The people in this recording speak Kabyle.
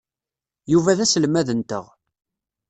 Yuba d aselmad-nteɣ.